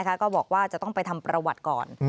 ก็บอกว่าจะต้องไปทำประวัติก่อน